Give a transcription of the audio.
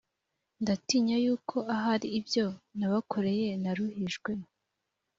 ndatinya yuko ahari ibyo nabakoreye naruhijwe